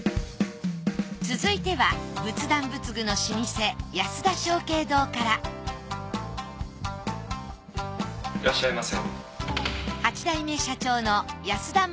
続いては仏壇仏具の老舗安田松慶堂からいらっしゃいませ。